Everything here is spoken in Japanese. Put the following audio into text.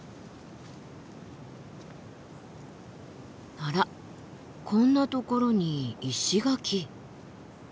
あらこんなところに石垣。